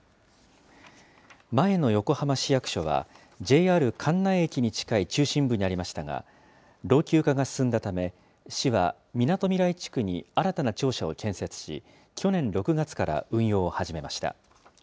前の横浜市役所は、ＪＲ関内駅に近い中心部にありましたが、老朽化が進んだため、市はみなとみらい地区に新たな庁舎を建設し、去年６月から運用を始めました。